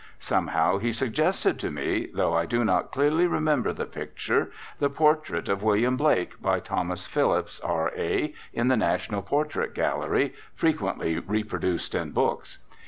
Somehow he suggested to me though I do not clearly remember the picture the portrait of William Blake by Thomas Phillips, R.A., in the National Portrait Gallery, frequently reproduced in books.